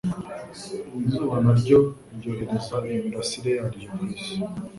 izuba na ryo ryohereza imirasire ya ryo ku isi,